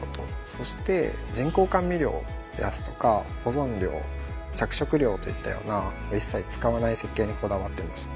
そして人工甘味料ですとか保存料着色料といったような一切使わない設計にこだわってまして。